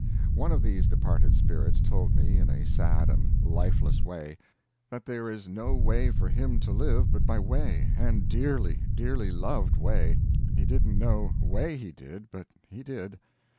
One of these departed spirits told me, in a sad and lifeless way, that there is no way for him to live but by whey, and dearly, dearly loved whey, he didn't know whey he did, but he did.